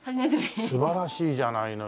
素晴らしいじゃないのよ